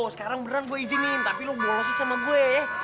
sekarang beneran gue izinin tapi lo bolos aja sama gue